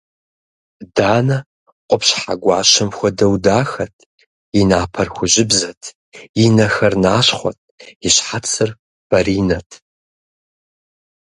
Данэ къупщхьэ гуащэм хуэдэу дахэт: и напэр хужьыбзэт, и нэхэр нащхъуэт, и щхьэцыр баринэт.